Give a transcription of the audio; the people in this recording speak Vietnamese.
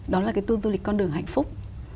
đó là cái tour du lịch con đường hạnh phúc